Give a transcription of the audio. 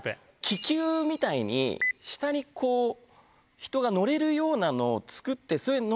気球みたいに下に人が乗れるようなのを作って。